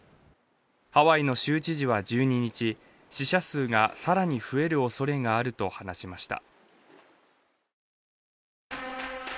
ハワイの州知事は１２日死者数が更に増えるおそれがあると話しました。